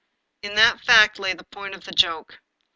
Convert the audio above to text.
In that fact lay the point of the joke.